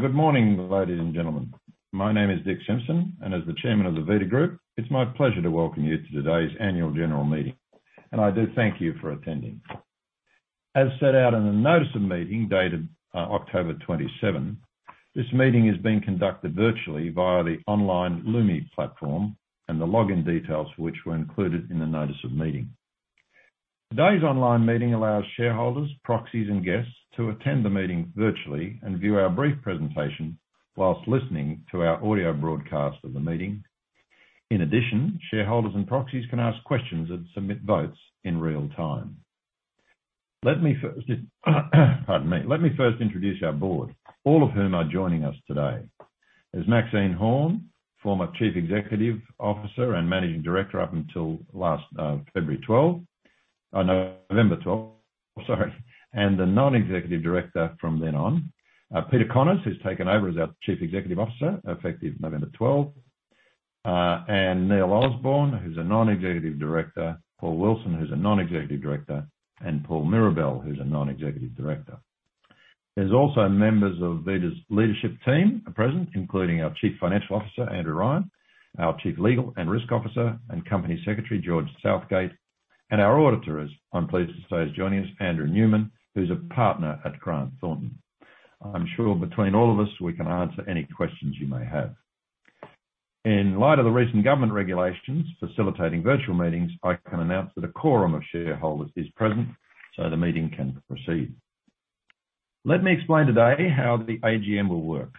Good morning, ladies and gentlemen. My name is Dick Simpson, and as the Chairman of the Vita Group, it's my pleasure to welcome you to today's annual general meeting. I do thank you for attending. As set out in the notice of meeting dated 27 October, this meeting is being conducted virtually via the online Lumi platform, and the login details for which were included in the notice of meeting. Today's online meeting allows shareholders, proxies, and guests to attend the meeting virtually and view our brief presentation while listening to our audio broadcast of the meeting. In addition, shareholders and proxies can ask questions and submit votes in real time. Let me first introduce our board, all of whom are joining us today. There's Maxine Horne, former Chief Executive Officer and Managing Director up until last February 12. November 12th, sorry, and the Non-Executive Director from then on. Peter Connors, who's taken over as our Chief Executive Officer, effective November 12. Neil Osborne, who's a Non-Executive Director, Paul Wilson, who's a Non-Executive Director, and Paul Mirabelle, who's a Non-Executive Director. There are also members of Vita's leadership team present, including our Chief Financial Officer, Andrew Ryan, our Chief Legal and Risk Officer and Company Secretary, George Southgate, and our auditor. I'm pleased to say, is joining us, Andrew Newman, who's a Partner at Grant Thornton. I'm sure between all of us, we can answer any questions you may have. In light of the recent government regulations facilitating virtual meetings, I can announce that a quorum of shareholders is present, so the meeting can proceed. Let me explain today how the AGM will work.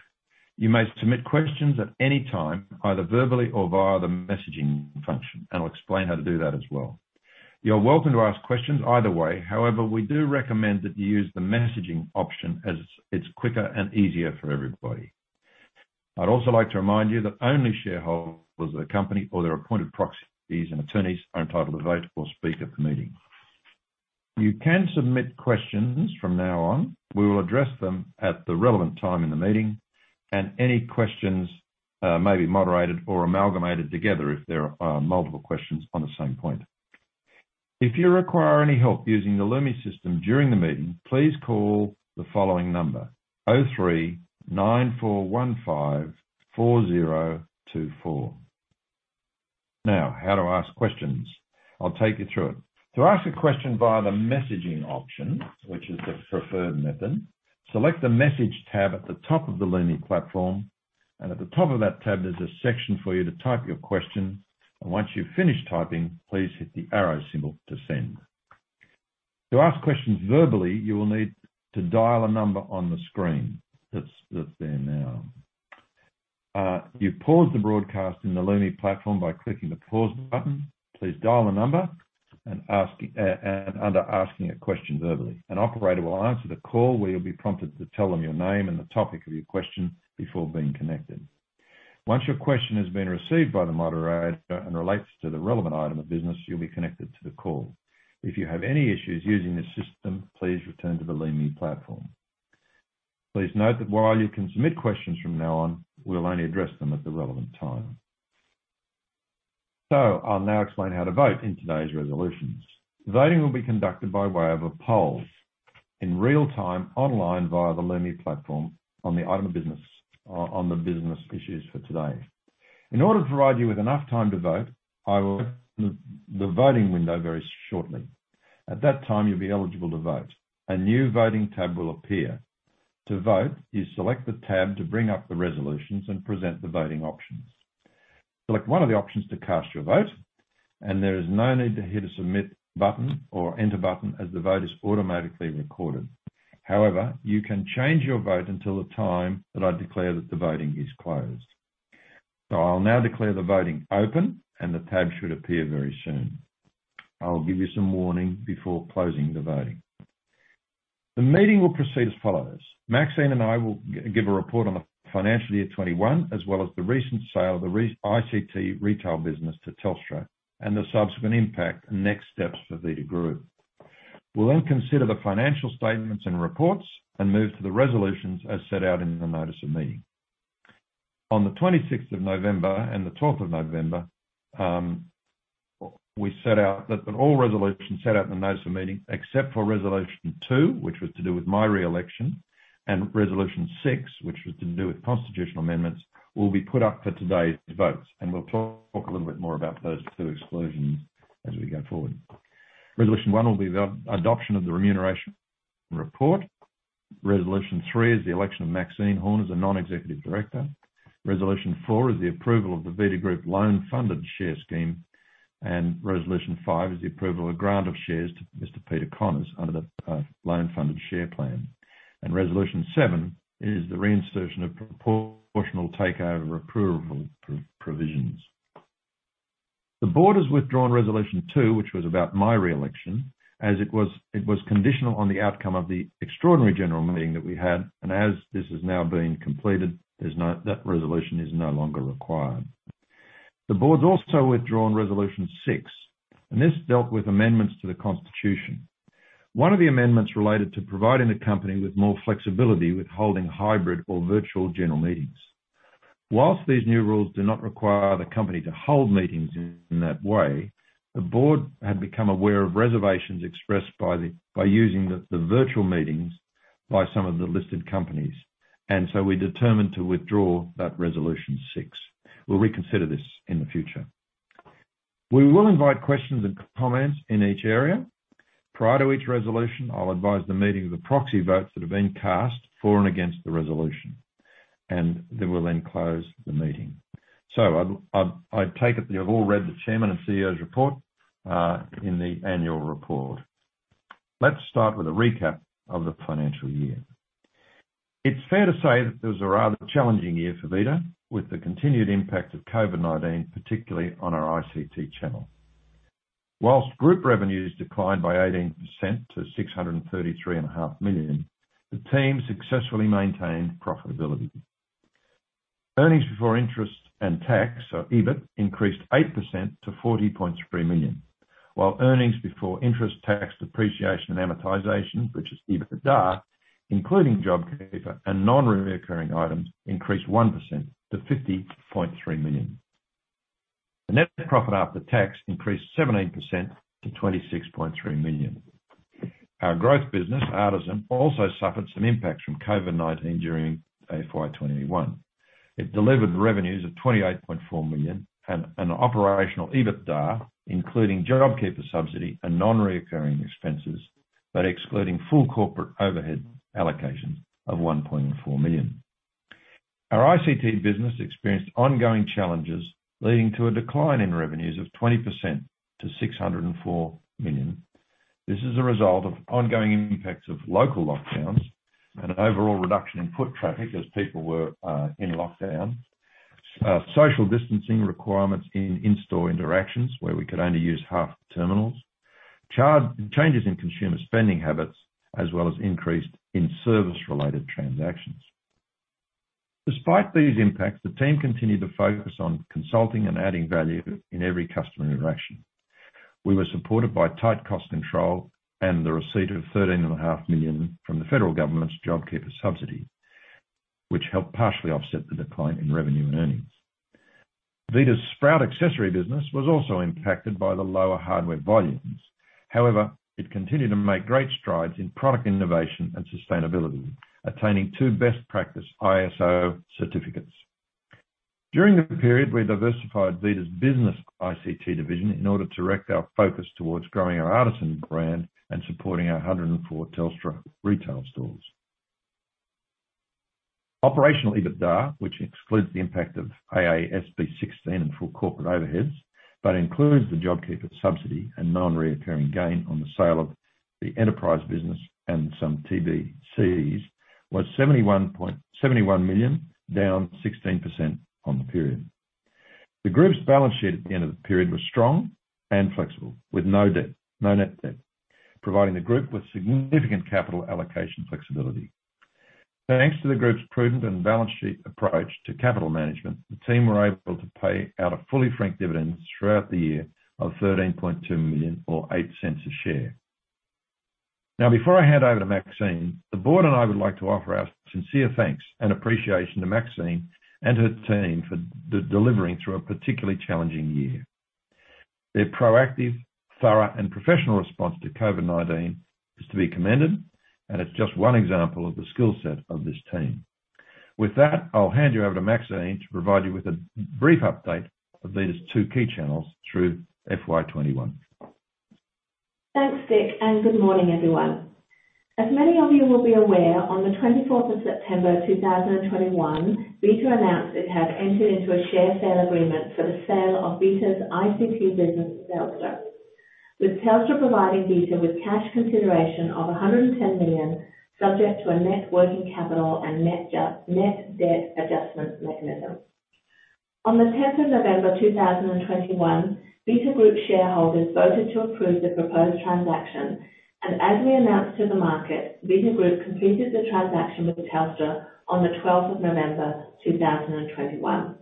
You may submit questions at any time, either verbally or via the messaging function, and I'll explain how to do that as well. You're welcome to ask questions either way. However, we do recommend that you use the messaging option as it's quicker and easier for everybody. I'd also like to remind you that only shareholders of the company or their appointed proxies and attorneys are entitled to vote or speak at the meeting. You can submit questions from now on. We will address them at the relevant time in the meeting, and any questions may be moderated or amalgamated together if there are multiple questions on the same point. If you require any help using the Lumi system during the meeting, please call the following number, 03 9415 4024. Now, how to ask questions. I'll take you through it. To ask a question via the messaging option, which is the preferred method, select the message tab at the top of the Lumi platform, and at the top of that tab there's a section for you to type your question. Once you've finished typing, please hit the arrow symbol to send. To ask questions verbally, you will need to dial a number on the screen that's there now. You pause the broadcast in the Lumi platform by clicking the pause button. Please dial the number to ask a question verbally. An operator will answer the call where you'll be prompted to tell them your name and the topic of your question before being connected. Once your question has been received by the moderator and relates to the relevant item of business, you'll be connected to the call. If you have any issues using the system, please return to the Lumi platform. Please note that while you can submit questions from now on, we'll only address them at the relevant time. I'll now explain how to vote in today's resolutions. The voting will be conducted by way of a poll in real-time online via the Lumi platform on the business issues for today. In order to provide you with enough time to vote, I will open up the voting window very shortly. At that time, you'll be eligible to vote. A new voting tab will appear. To vote, you select the tab to bring up the resolutions and present the voting options. Select one of the options to cast your vote, and there is no need to hit a submit button or enter button as the vote is automatically recorded. However, you can change your vote until the time that I declare that the voting is closed. I'll now declare the voting open, and the tab should appear very soon. I'll give you some warning before closing the voting. The meeting will proceed as follows. Maxine and I will give a report on the financial year 21, as well as the recent sale of the ICT retail business to Telstra and the subsequent impact and next steps for Vita Group. We'll then consider the financial statements and reports and move to the resolutions as set out in the notice of meeting. On the 26th of November and the 12th of November, we set out that all resolutions set out in the notice of meeting, except for resolution two, which was to do with my re-election, and resolution six, which was to do with constitutional amendments, will be put up for today's votes, and we'll talk a little bit more about those two exclusions as we go forward. Resolution one will be the adoption of the remuneration report. Resolution three is the election of Maxine Horne as a non-executive director. Resolution four is the approval of the Vita Group Loan Funded Share Plan. Resolution five is the approval of grant of shares to Mr. Peter Connors under the loan funded share plan. Resolution seven is the reinsertion of proportional takeover approval provisions. The board has withdrawn Resolution two, which was about my re-election, as it was conditional on the outcome of the extraordinary general meeting that we had, and as this has now been completed, that resolution is no longer required. The board's also withdrawn Resolution six, and this dealt with amendments to the constitution. One of the amendments related to providing the company with more flexibility with holding hybrid or virtual general meetings. While these new rules do not require the company to hold meetings in that way, the board had become aware of reservations expressed by the use of the virtual meetings by some of the listed companies. We determined to withdraw that Resolution six. We'll reconsider this in the future. We will invite questions and comments in each area. Prior to each resolution, I'll advise the meeting of the proxy votes that have been cast for and against the resolution, and then we'll close the meeting. I take it that you've all read the Chairman and CEO's report in the annual report. Let's start with a recap of the financial year. It's fair to say that it was a rather challenging year for Vita, with the continued impact of COVID-19, particularly on our ICT channel. While group revenues declined by 18% to 633.5 million, the team successfully maintained profitability. Earnings before interest and tax, so EBIT, increased 8% to 40.3 million. While earnings before interest, tax, depreciation, and amortization, which is EBITDA, including JobKeeper and non-recurring items, increased 1% to 50.3 million. The net profit after tax increased 17% to 26.3 million. Our growth business, Artisan, also suffered some impacts from COVID-19 during FY 2021. It delivered revenues of 28.4 million and an operational EBITDA, including JobKeeper subsidy and non-recurring expenses, but excluding full corporate overhead allocation of 1.4 million. Our ICT business experienced ongoing challenges, leading to a decline in revenues of 20% to 604 million. This is a result of ongoing impacts of local lockdowns and an overall reduction in foot traffic as people were in lockdown, social distancing requirements in-store interactions, where we could only use half the terminals, changes in consumer spending habits, as well as increase in service-related transactions. Despite these impacts, the team continued to focus on consulting and adding value in every customer interaction. We were supported by tight cost control and the receipt of 13.5 million from the federal government's JobKeeper subsidy, which helped partially offset the decline in revenue and earnings. Vita's Sprout accessory business was also impacted by the lower hardware volumes. However, it continued to make great strides in product innovation and sustainability, attaining two best practice ISO certificates. During the period, we diversified Vita's business ICT division in order to redirect our focus towards growing our Artisan brand and supporting our 104 Telstra retail stores. Operational EBITDA, which excludes the impact of AASB 16 and full corporate overheads, but includes the JobKeeper subsidy and non-recurring gain on the sale of the enterprise business and some TSAs, was 71 million, down 16% on the period. The group's balance sheet at the end of the period was strong and flexible, with no debt, no net debt, providing the group with significant capital allocation flexibility. Thanks to the group's prudent and balance sheet approach to capital management, the team were able to pay out a fully franked dividend throughout the year of 13.2 million or eight cents a share. Now before I hand over to Maxine, the board and I would like to offer our sincere thanks and appreciation to Maxine and her team for delivering through a particularly challenging year. Their proactive, thorough, and professional response to COVID-19 is to be commended, and it's just one example of the skill set of this team. With that, I'll hand you over to Maxine to provide you with a brief update of these two key channels through FY 2021. Thanks, Dick, and good morning, everyone. As many of you will be aware, on the 24th of September, 2021, Vita announced it had entered into a share sale agreement for the sale of Vita's ICT business to Telstra. With Telstra providing Vita with cash consideration of 110 million, subject to a net working capital and net debt adjustment mechanism. On the 10th of November, 2021, Vita Group shareholders voted to approve the proposed transaction. As we announced to the market, Vita Group completed the transaction with Telstra on the 12th of November, 2021.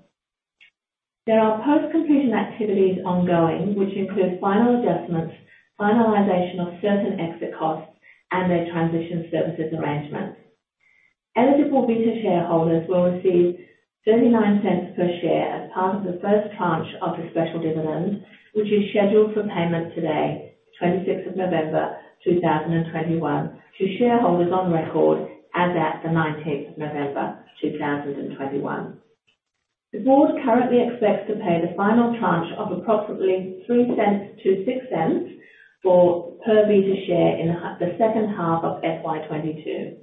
There are post-completion activities ongoing, which include final adjustments, finalization of certain exit costs, and their transition services arrangement. Eligible Vita shareholders will receive 0.39 per share as part of the first tranche of the special dividend, which is scheduled for payment today, 26th of November 2021 to shareholders on record as at the 19th of November 2021. The board currently expects to pay the final tranche of approximately 0.03-0.06 per Vita share in the second half of FY 2022,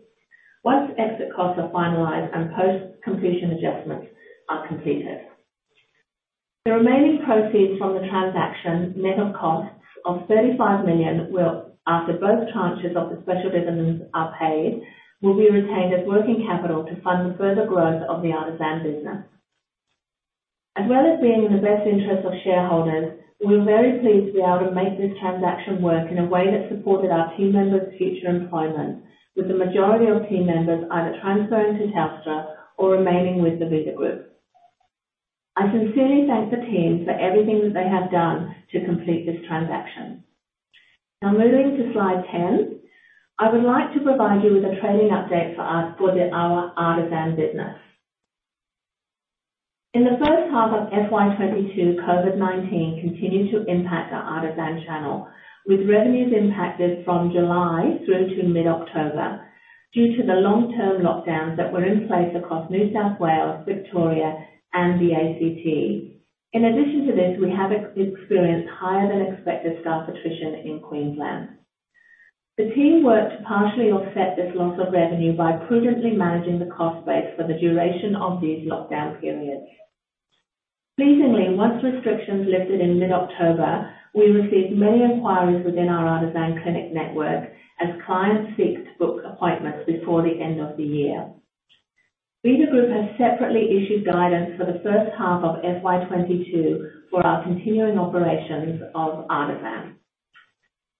once exit costs are finalized and post-completion adjustments are completed. The remaining proceeds from the transaction, net of costs of 35 million, will, after both tranches of the special dividends are paid, be retained as working capital to fund the further growth of the Artisan business. As well as being in the best interest of shareholders, we're very pleased to be able to make this transaction work in a way that supported our team members' future employment, with the majority of team members either transferring to Telstra or remaining with the Vita Group. I sincerely thank the team for everything that they have done to complete this transaction. Now moving to slide 10. I would like to provide you with a trading update for us for the, our Artisan business. In the first half of FY 2022, COVID-19 continued to impact our Artisan channel, with revenues impacted from July through to mid-October due to the long-term lockdowns that were in place across New South Wales, Victoria and the ACT. In addition to this, we have experienced higher than expected staff attrition in Queensland. The team worked to partially offset this loss of revenue by prudently managing the cost base for the duration of these lockdown periods. Pleasingly, once restrictions lifted in mid-October, we received many inquiries within our Artisan clinic network as clients seek to book appointments before the end of the year. Vita Group has separately issued guidance for the first half of FY 2022 for our continuing operations of Artisan.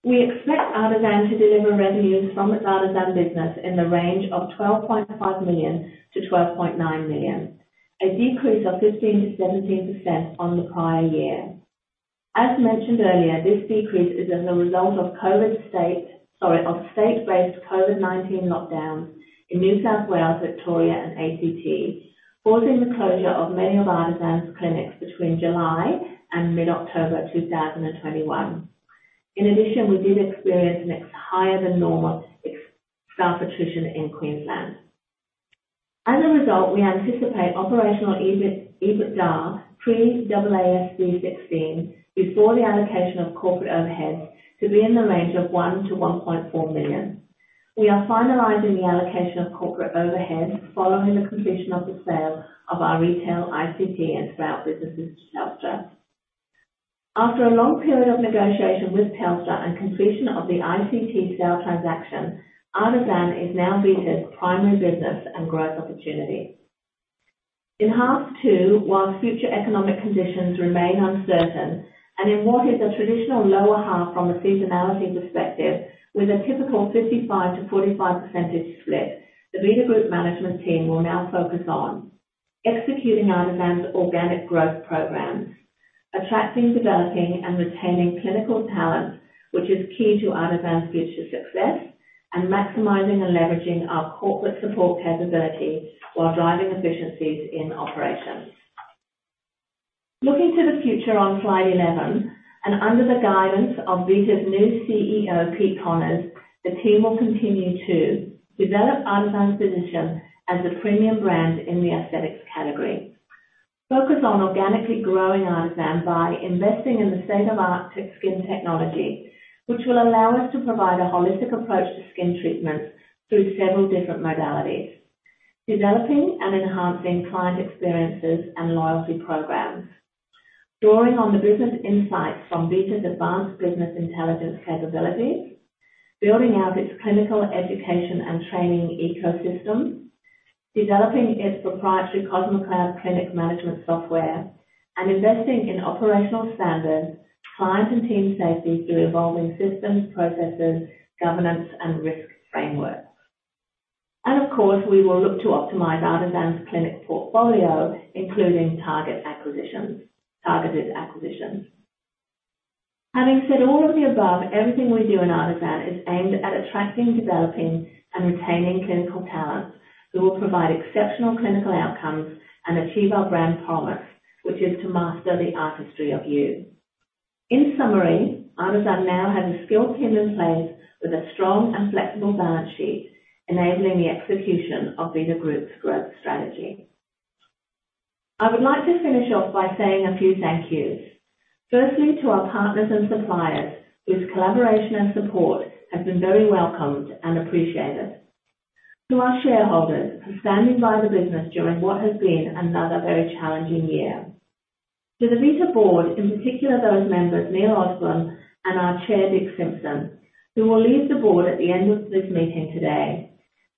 We expect Artisan to deliver revenues from its Artisan business in the range of 12.5 million-12.9 million, a decrease of 15%-17% on the prior year. As mentioned earlier, this decrease is as a result of state-based COVID-19 lockdowns in New South Wales, Victoria and ACT, causing the closure of many of Artisan's clinics between July and mid-October 2021. In addition, we did experience slightly higher than normal staff attrition in Queensland. As a result, we anticipate operational EBIT, EBITDA pre AASB 16 before the allocation of corporate overhead to be in the range of 1 million-1.4 million. We are finalizing the allocation of corporate overhead following the completion of the sale of our retail ICT and Sprout businesses to Telstra. After a long period of negotiation with Telstra and completion of the ICT sale transaction, Artisan is now Vita's primary business and growth opportunity. In half two, while future economic conditions remain uncertain and in what is a traditional lower half from a seasonality perspective, with a typical 55%-45% split, the Vita Group management team will now focus on executing Artisan's organic growth programs, attracting, developing, and retaining clinical talent, which is key to Artisan's future success. Maximizing and leveraging our corporate support capabilities while driving efficiencies in operations. Looking to the future on slide 11, under the guidance of Vita's new CEO, Pete Connors, the team will continue to develop Artisan's position as a premium brand in the aesthetics category. Focus on organically growing Artisan by investing in the state-of-the-art tech skin technology, which will allow us to provide a holistic approach to skin treatments through several different modalities. Developing and enhancing client experiences and loyalty programs. Drawing on the business insights from Vita's advanced business intelligence capabilities. Building out its clinical education and training ecosystem. Developing its proprietary cosmedcloud clinic management software. Investing in operational standards, client and team safety through evolving systems, processes, governance and risk frameworks. Of course, we will look to optimize Artisan's clinic portfolio, including targeted acquisitions. Having said all of the above, everything we do in Artisan is aimed at attracting, developing, and retaining clinical talent who will provide exceptional clinical outcomes and achieve our brand promise, which is to master the artistry of you. In summary, Artisan now has a skilled team in place with a strong and flexible balance sheet, enabling the execution of Vita Group's growth strategy. I would like to finish off by saying a few thank you. Firstly, to our partners and suppliers, whose collaboration and support has been very welcomed and appreciated. To our shareholders for standing by the business during what has been another very challenging year. To the Vita board, in particular those members, Neil Osborne and our chair, Dick Simpson, who will leave the board at the end of this meeting today.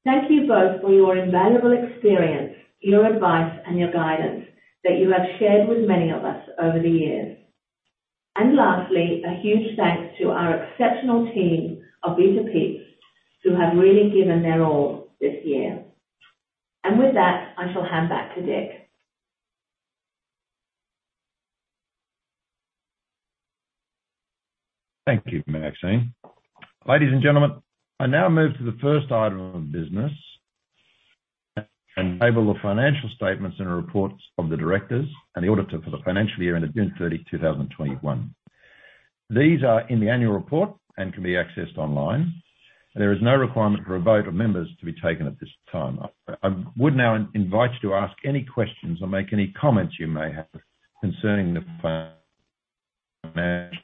Thank you both for your invaluable experience, your advice and your guidance that you have shared with many of us over the years. Lastly, a huge thanks to our exceptional team of Vita peeps who have really given their all this year. With that, I shall hand back to Dick. Thank you, Maxine. Ladies and gentlemen, I now move to the first item of business to receive the financial statements and reports of the directors and the auditor for the financial year ended June 30 2021. These are in the annual report and can be accessed online. There is no requirement for a vote of members to be taken at this time. I would now invite you to ask any questions or make any comments you may have concerning the financial statements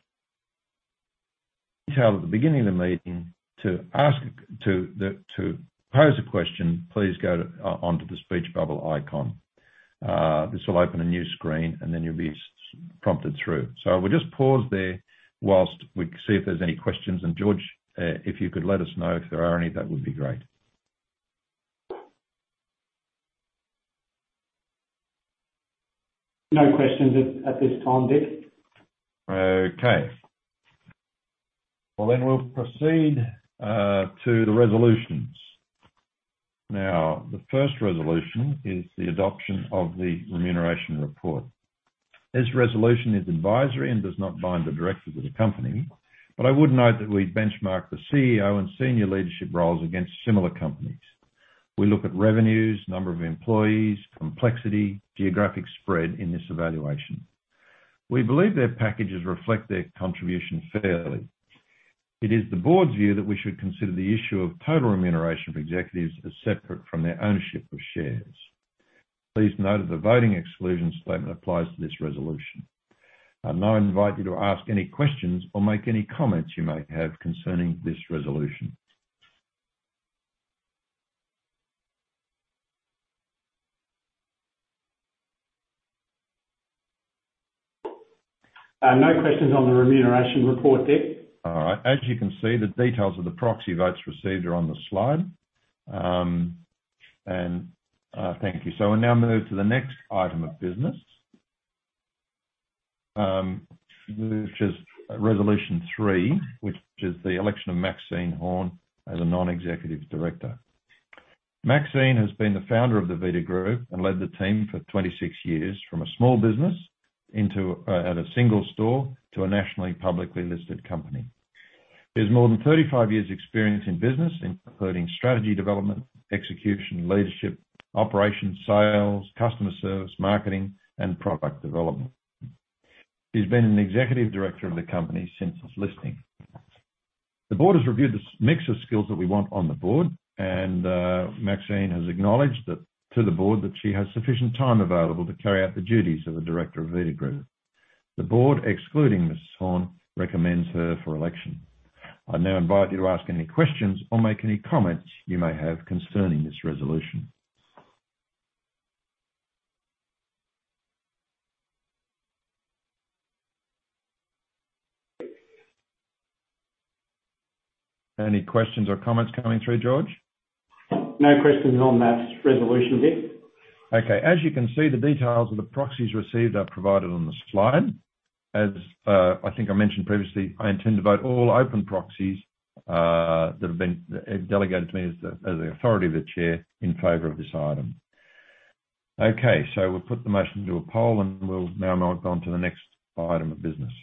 and reports. To pose a question, please go onto the speech bubble icon. This will open a new screen and then you'll be prompted through. We'll just pause there while we see if there's any questions. George, if you could let us know if there are any, that would be great. No questions at this time, Dick. Okay. Well, we'll proceed to the resolutions. Now, the first resolution is the adoption of the remuneration report. This resolution is advisory and does not bind the directors of the company. I would note that we benchmark the CEO and senior leadership roles against similar companies. We look at revenues, number of employees, complexity, geographic spread in this evaluation. We believe their packages reflect their contribution fairly. It is the board's view that we should consider the issue of total remuneration for executives as separate from their ownership of shares. Please note that the voting exclusion statement applies to this resolution. I now invite you to ask any questions or make any comments you may have concerning this resolution. No questions on the remuneration report, Dick. All right. As you can see, the details of the proxy votes received are on the slide. Thank you. We now move to the next item of business, which is resolution three, which is the election of Maxine Horne as a Non-Executive Director. Maxine has been the founder of the Vita Group and led the team for 26 years from a small business at a single store to a nationally publicly listed company. There's more than 35 years' experience in business, including strategy development, execution, leadership, operations, sales, customer service, marketing, and product development. She's been an Executive Director of the company since its listing. The board has reviewed the skill mix of skills that we want on the board, and Maxine has acknowledged to the board that she has sufficient time available to carry out the duties of a director of Vita Group. The board, excluding Ms. Horne, recommends her for election. I now invite you to ask any questions or make any comments you may have concerning this resolution. Any questions or comments coming through, George? No questions on that resolution, Dick. Okay. As you can see, the details of the proxies received are provided on the slide. As, I think I mentioned previously, I intend to vote all open proxies, that have been, delegated to me as the, as the authority of the chair in favor of this item. Okay. We'll put the motion to a poll, and we'll now move on to the next item of business.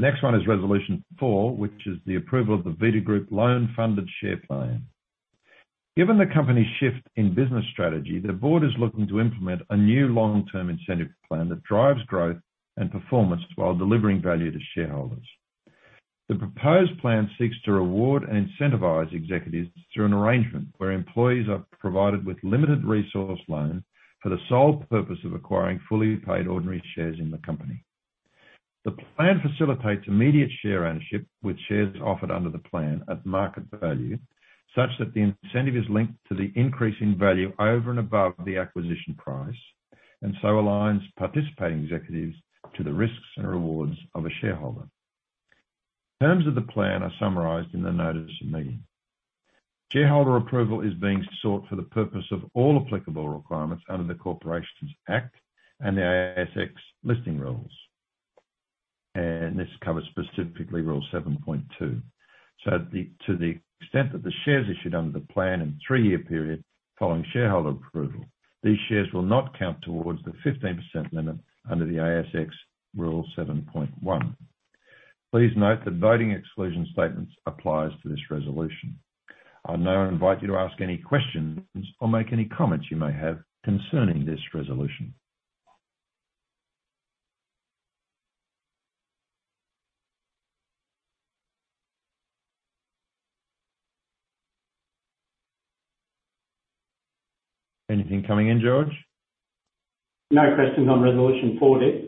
The next one is resolution four, which is the approval of the Vita Group Loan Funded Share Plan. Given the company's shift in business strategy, the board is looking to implement a new long-term incentive plan that drives growth and performance while delivering value to shareholders. The proposed plan seeks to reward and incentivize executives through an arrangement where employees are provided with limited recourse loan for the sole purpose of acquiring fully paid ordinary shares in the company. The plan facilitates immediate share ownership, with shares offered under the plan at market value, such that the incentive is linked to the increase in value over and above the acquisition price, and so aligns participating executives to the risks and rewards of a shareholder. Terms of the plan are summarized in the notice of meeting. Shareholder approval is being sought for the purpose of all applicable requirements under the Corporations Act and the ASX Listing Rules. This covers specifically Rule 7.2. To the extent that the shares issued under the plan in three-year period following shareholder approval, these shares will not count towards the 15% limit under the ASX Listing Rule 7.1. Please note that voting exclusion statements applies to this resolution. I now invite you to ask any questions or make any comments you may have concerning this resolution. Anything coming in, George? No questions on resolution four, Dick.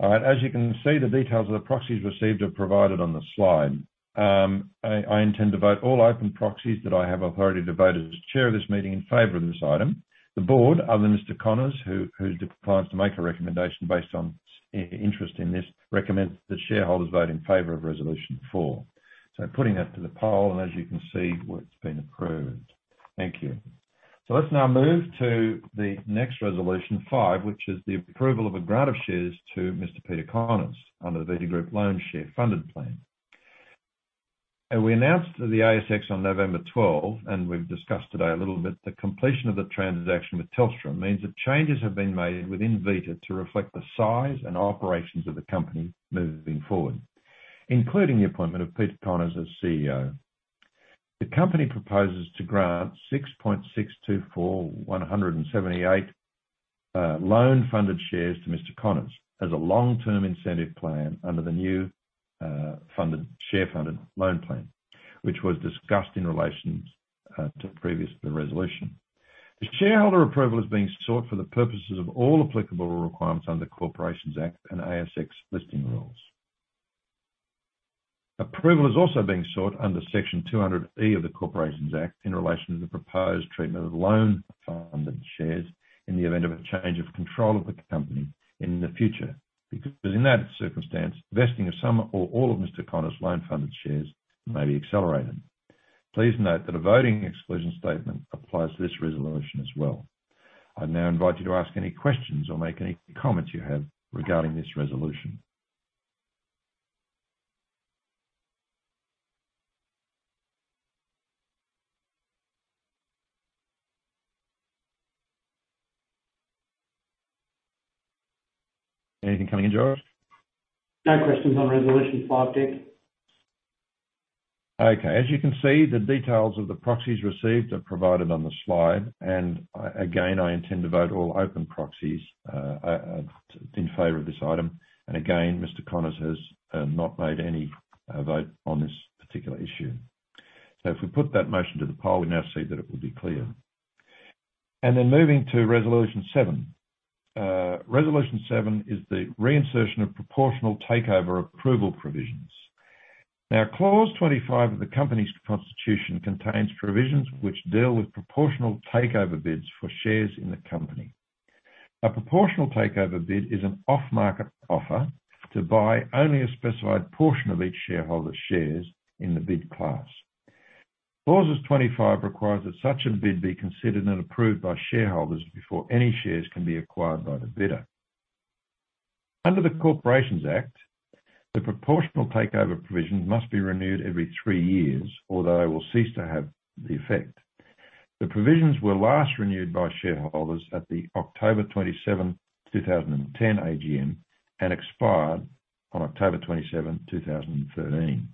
All right. As you can see, the details of the proxies received are provided on the slide. I intend to vote all open proxies that I have authority to vote as chair of this meeting in favor of this item. The board, other than Mr. Connors, who declines to make a recommendation based on his interest in this, recommends that shareholders vote in favor of resolution four. Putting that to the poll, and as you can see, well, it's been approved. Thank you. Let's now move to the next resolution 5, which is the approval of a grant of shares to Mr. Peter Connors under the Vita Group Loan Funded Share Plan. We announced to the ASX on 12 November, and we've discussed today a little bit, the completion of the transaction with Telstra means that changes have been made within Vita to reflect the size and operations of the company moving forward, including the appointment of Peter Connors as CEO. The company proposes to grant 6.624,178 loan-funded shares to Mr. Connors as a long-term incentive plan under the new loan funded share plan, which was discussed in relation to the resolution. The shareholder approval is being sought for the purposes of all applicable requirements under the Corporations Act and ASX Listing Rules. Approval is also being sought under Section 200E of the Corporations Act in relation to the proposed treatment of loan-funded shares in the event of a change of control of the company in the future, because in that circumstance, vesting of some or all of Mr. Connors' loan-funded shares may be accelerated. Please note that a voting exclusion statement applies to this resolution as well. I now invite you to ask any questions or make any comments you have regarding this resolution. Anything coming in, George? No questions on resolution five, Dick. Okay. As you can see, the details of the proxies received are provided on the slide. Again, I intend to vote all open proxies in favor of this item. Again, Mr. Connors has not made any vote on this particular issue. If we put that motion to the poll, we now see that it will be clear. Moving to resolution seven. Resolution seven is the reinsertion of proportional takeover approval provisions. Now, Clause 25 of the company's constitution contains provisions which deal with proportional takeover bids for shares in the company. A proportional takeover bid is an off-market offer to buy only a specified portion of each shareholder's shares in the bid class. Clause 25 requires that such a bid be considered and approved by shareholders before any shares can be acquired by the bidder. Under the Corporations Act, the proportional takeover provisions must be renewed every three years, or they will cease to have the effect. The provisions were last renewed by shareholders at the October 27 2010 AGM, and expired on October 27 2013.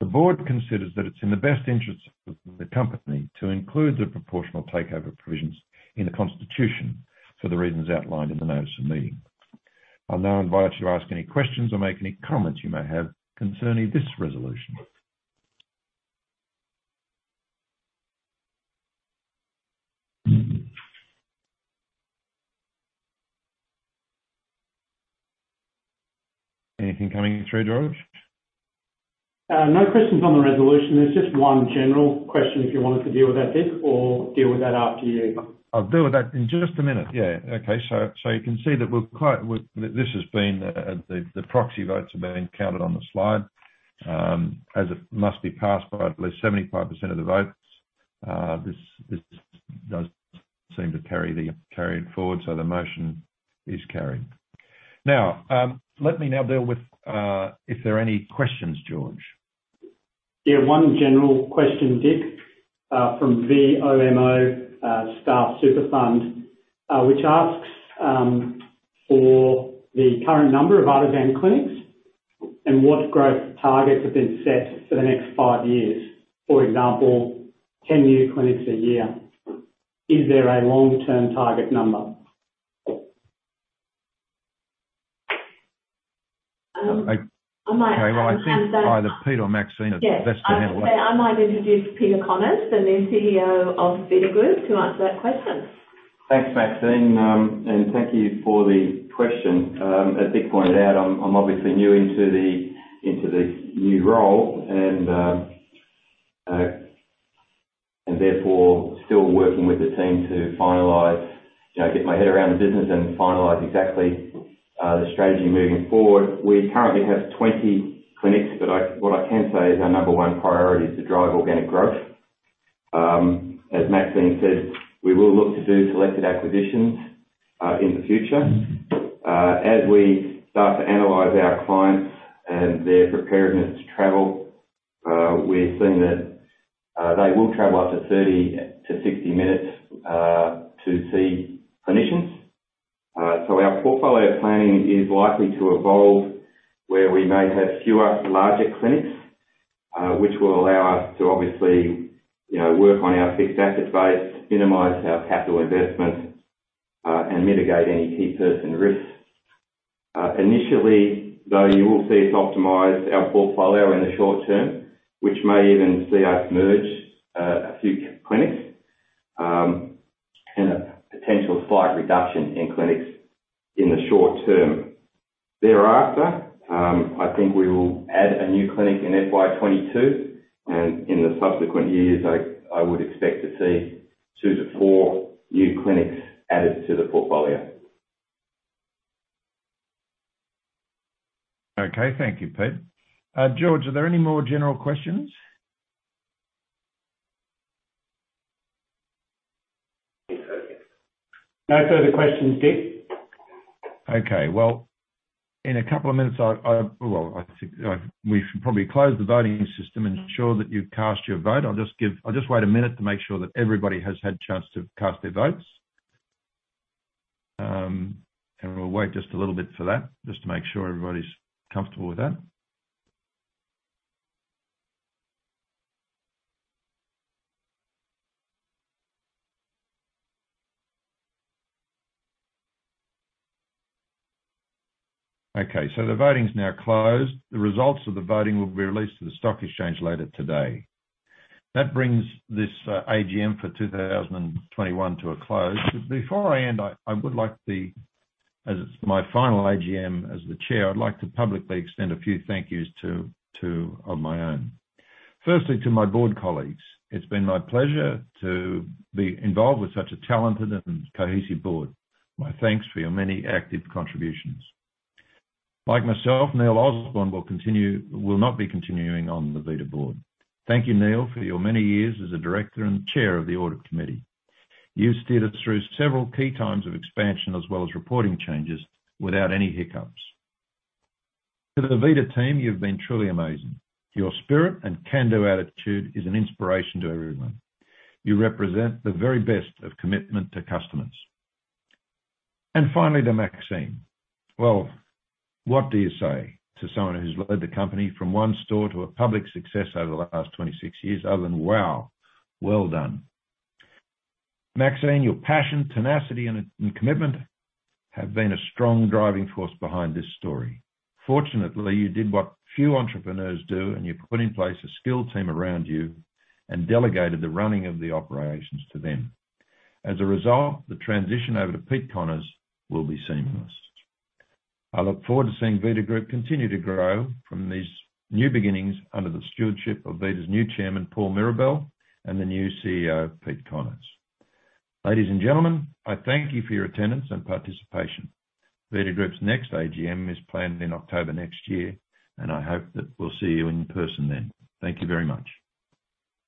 The board considers that it's in the best interest of the company to include the proportional takeover provisions in the constitution for the reasons outlined in the notice of meeting. I'll now invite you to ask any questions or make any comments you may have concerning this resolution. Anything coming through, George? No questions on the resolution. There's just one general question if you wanted to deal with that, Dick, or deal with that after you. I'll deal with that in just a minute. Yeah. Okay. You can see that the proxy votes are being counted on the slide. As it must be passed by at least 75% of the votes, this does seem to carry it forward. The motion is carried. Now, let me deal with if there are any questions, George. One general question, Dick, from a member of Staff Super Fund, which asks for the current number of Artisan clinics and what growth targets have been set for the next five years. For example, 10 new clinics a year. Is there a long-term target number? Okay. Well, I think either Pete or Maxine are best to handle that. Yes. I might introduce Peter Connors, the new CEO of Vita Group, to answer that question. Thanks, Maxine. Thank you for the question. As Dick pointed out, I'm obviously new into this new role and therefore still working with the team to finalize, you know, get my head around the business and finalize exactly the strategy moving forward. We currently have 20 clinics, but what I can say is our number one priority is to drive organic growth. As Maxine said, we will look to do selected acquisitions in the future. As we start to analyze our clients and their preparedness to travel, we're seeing that they will travel up to 30-60 minutes to see clinicians. Our portfolio planning is likely to evolve where we may have fewer larger clinics, which will allow us to obviously, you know, work on our fixed asset base, minimize our capital investment, and mitigate any key person risks. Initially, though, you will see us optimize our portfolio in the short term, which may even see us merge a few clinics, and a potential slight reduction in clinics in the short term. Thereafter, I think we will add a new clinic in FY 2022, and in the subsequent years, I would expect to see two to four new clinics added to the portfolio. Okay. Thank you, Pete. George, are there any more general questions? No further questions, Dick. Okay. Well, in a couple of minutes I'll. Well, we should probably close the voting system, ensure that you've cast your vote. I'll just wait a minute to make sure that everybody has had a chance to cast their votes. We'll wait just a little bit for that, just to make sure everybody's comfortable with that. Okay. The voting is now closed. The results of the voting will be released to the stock exchange later today. That brings this AGM for 2021 to a close. Before I end, as it's my final AGM as the Chair, I'd like to publicly extend a few thank you of my own. Firstly, to my board colleagues, it's been my pleasure to be involved with such a talented and cohesive board. My thanks for your many active contributions. Like myself, Neil Osborne will not be continuing on the Vita board. Thank you, Neil, for your many years as a director and chair of the audit committee. You've steered us through several key times of expansion as well as reporting changes without any hiccups. To the Vita team, you've been truly amazing. Your spirit and can-do attitude is an inspiration to everyone. You represent the very best of commitment to customers. Finally, to Maxine. Well, what do you say to someone who's led the company from one store to a public success over the last 26 years, other than, "Wow. Well done." Maxine, your passion, tenacity, and commitment have been a strong driving force behind this story. Fortunately, you did what few entrepreneurs do, and you put in place a skilled team around you and delegated the running of the operations to them. As a result, the transition over to Peter Connors will be seamless. I look forward to seeing Vita Group continue to grow from these new beginnings under the stewardship of Vita's new chairman, Paul Mirabelle, and the new CEO, Pete Connors. Ladies and gentlemen, I thank you for your attendance and participation. Vita Group's next AGM is planned in October next year, and I hope that we'll see you in person then. Thank you very much.